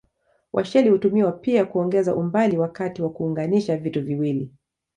Washeli hutumiwa pia kuongeza umbali wakati wa kuunganisha vitu viwili.